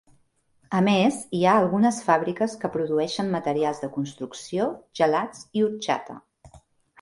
A més, hi ha algunes fàbriques que produeixen materials de construcció, gelats i orxata.